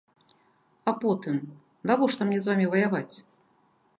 А потым, навошта мне з вамі ваяваць?